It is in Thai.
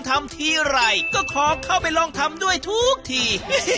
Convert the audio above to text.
ทำด้วยทุกที